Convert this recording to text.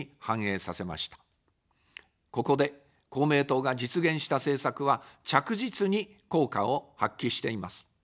ここで公明党が実現した政策は、着実に効果を発揮しています。